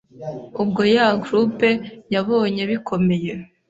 Ubwo ya groupe yabonye bikomeye